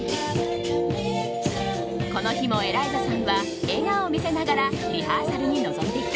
この日もエライザさんは笑顔を見せながらリハーサルに臨んでいた。